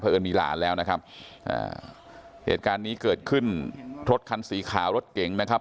เอิญมีหลานแล้วนะครับอ่าเหตุการณ์นี้เกิดขึ้นรถคันสีขาวรถเก๋งนะครับ